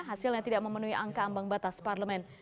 hasilnya tidak memenuhi angka ambang batas parlemen